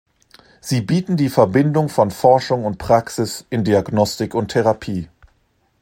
Sie bieten die Verbindung von Forschung und Praxis in Diagnostik und Therapie.